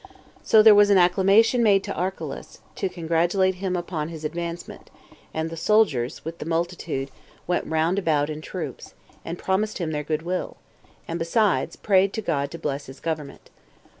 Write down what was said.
9. So there was an acclamation made to Archelaus, to congratulate him upon his advancement; and the soldiers, with the multitude, went round about in troops, and promised him their good will, and besides, prayed God to bless his government.